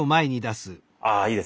あいいです。